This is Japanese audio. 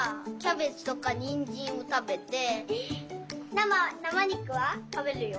なまなまにくは？たべるよ！